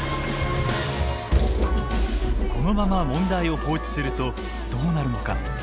このまま問題を放置するとどうなるのか。